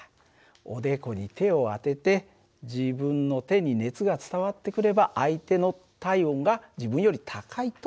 おでこに手を当てて自分の手に熱が伝わってくれば相手の体温が自分より高いと分かるよね。